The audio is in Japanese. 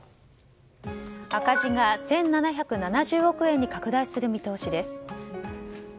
赤字が１７７０億円に拡大する見通しです。